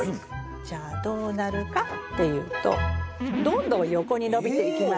じゃあどうなるかっていうとどんどん横に伸びてきます。